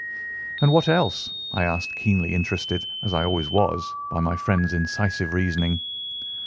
"And what else?" I asked, keenly interested, as I always was, by my friend's incisive reasoning.